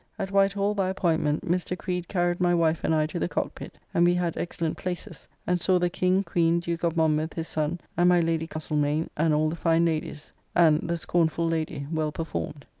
At White Hall by appointment, Mr. Creed carried my wife and I to the Cockpitt, and we had excellent places, and saw the King, Queen, Duke of Monmouth, his son, and my Lady Castlemaine, and all the fine ladies; and "The Scornfull Lady," well performed.